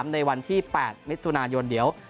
ในวันที่๘มิถุนายนเดี๋ยว